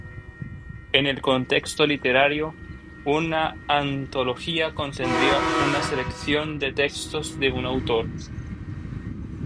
En el contexto literario, una antología contendría una selección de textos de un autor.